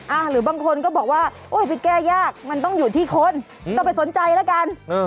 หรือบางคนก็บอกว่าโอ้ยไปแก้ยากมันต้องอยู่ที่คนต้องไปสนใจแล้วกัน